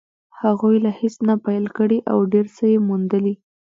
هغوی له هېڅ نه پيل کړی او ډېر څه يې موندلي.